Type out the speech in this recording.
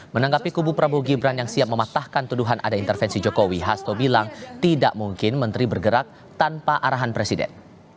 menanggapi kubu prabowo gibran yang siap mematahkan tuduhan ada intervensi jokowi hasto bilang tidak mungkin menteri bergerak tanpa arahan presiden